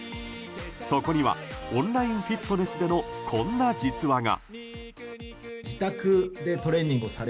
そこにはオンラインフィットネスでのこんな実話が。